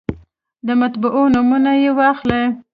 د مطبعو نومونه یې واخلئ.